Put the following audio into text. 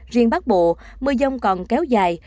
riêng bắc bộ mưa dông còn kéo dài